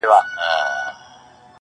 خبري د کتاب ښې دي.